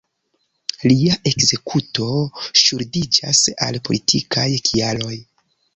Lia ekzekuto ŝuldiĝas al politikaj kialoj.